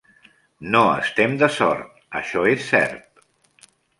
No estem de sort, això és cert.